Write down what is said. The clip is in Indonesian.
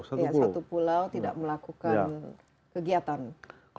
ya satu pulau tidak melakukan kegiatan